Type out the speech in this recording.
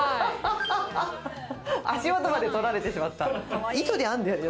足元まで撮られてしまった。